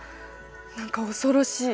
何か恐ろしい。